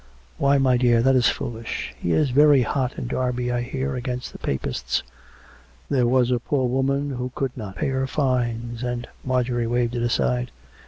" Why, my dear ; that is foolish. He is very hot in Derby, I hear, against the Papists. There was a poor woman who could not pay her fines; and " Marjorie waved it aside.